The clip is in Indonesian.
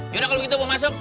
yaudah kalau gitu gue masuk